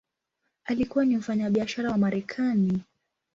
Alikuwa ni mfanyabiashara wa Marekani.